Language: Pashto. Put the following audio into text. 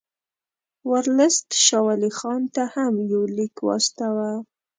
ورلسټ شاه ولي خان ته هم یو لیک واستاوه.